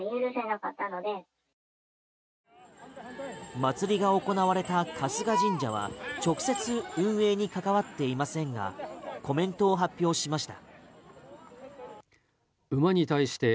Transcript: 祭りが行われた春日神社は直接、運営に関わっていませんがコメントを発表しました。